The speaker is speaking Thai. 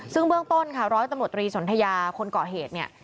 ซึ่งเบื้องต้นค่ะร้อยตำรวจตรีสนทยาคนเกาะเหตุเนี่ย